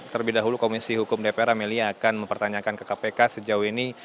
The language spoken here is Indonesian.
terlebih dahulu komisi hukum dpr amelia akan mempertanyakan ke kpk sejauh ini